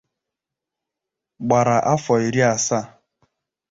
gbara afọ iri asaa